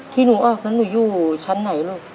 ที่หนูออกนั้นหนูอยู่ชั้นไหนลูก